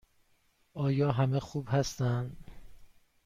آیا همه خوب هستند؟